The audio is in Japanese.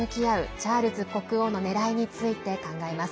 チャールズ国王のねらいについて考えます。